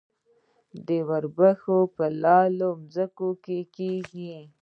وربشې په للمي ځمکو کې کیږي.